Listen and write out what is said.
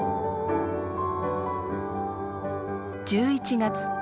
１１月。